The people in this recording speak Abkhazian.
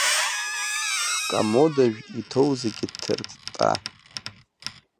Шәкомодажә иҭоу зегьы ҭыртта!